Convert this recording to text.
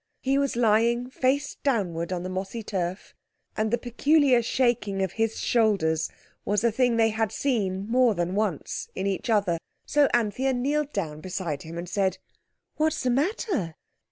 He was lying face downward on the mossy turf, and the peculiar shaking of his shoulders was a thing they had seen, more than once, in each other. So Anthea kneeled down by him and said— "What's the matter?"